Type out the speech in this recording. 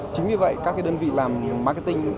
chính vì vậy các đơn vị làm marketing